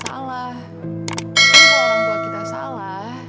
tapi kalau orang tua kita salah